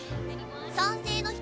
賛成の人。